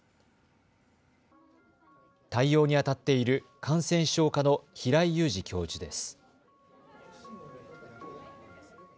対応にあたっている感染症科の平井由児教授です。